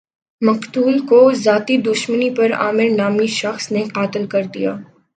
مقتول کو ذاتی دشمنی پر عامر نامی شخص نے قتل کردیا